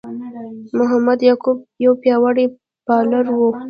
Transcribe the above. محمد یعقوب یو پياوړی بالر وو.